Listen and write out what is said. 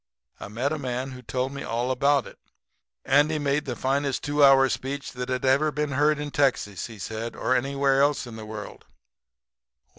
I met a man who told me all about it. Andy had made the finest two hour speech that had ever been heard in Texas, he said, or anywhere else in the world.